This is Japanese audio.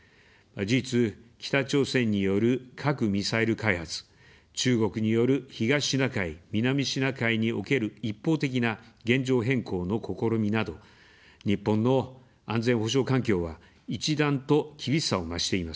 事実、北朝鮮による核・ミサイル開発、中国による東シナ海・南シナ海における一方的な現状変更の試みなど、日本の安全保障環境は、一段と厳しさを増しています。